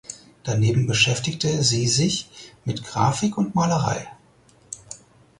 Daneben beschäftigte sie sich mit Graphik und Malerei.